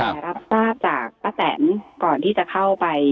แต่รับทราบจากป้าแตนก่อนที่จะเข้าไป